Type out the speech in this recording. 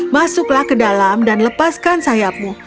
masuklah ke dalam dan lepaskan sayapmu